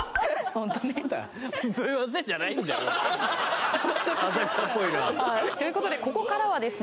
ホントに浅草っぽいなということでここからはですね